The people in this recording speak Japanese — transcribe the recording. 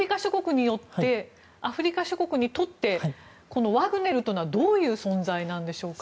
アフリカ諸国にとってこのワグネルというのはどういう存在なんでしょうか。